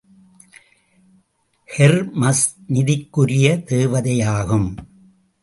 Hormuz நிதிக்குரிய தேவதையாகும்.